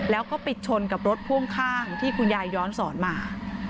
แล้วก็ไปชนกับรถพ่วงข้างที่คุณยายย้อนสอนมา